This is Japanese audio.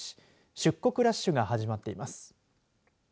出国ラッシュが始まっています。